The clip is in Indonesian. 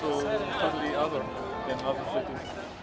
selain ini berbeda dan lebih berbeda dan menurut abdulwoajem